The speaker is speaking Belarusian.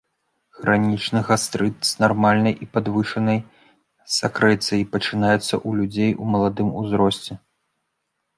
Хранічны гастрыт з нармальнай і падвышанай сакрэцыяй пачынаецца ў людзей у маладым узросце.